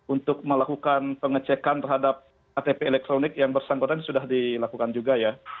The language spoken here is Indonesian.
untuk melakukan pengecekan terhadap ktp elektronik yang bersangkutan sudah dilakukan juga ya